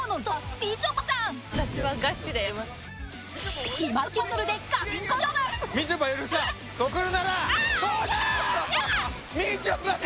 みちょぱめ！